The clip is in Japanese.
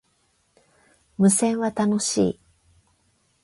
無線は、楽しい